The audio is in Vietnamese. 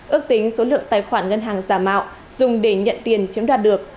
ước tính số lượng tài khoản ngân hàng giả mạo dùng để nhận tiền chiếm đoạt được